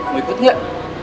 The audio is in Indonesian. mau ikut gak